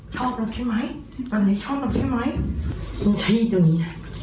ชอบเราใช่ไหมตอนไหนชอบเราใช่ไหมมึงตรงนี้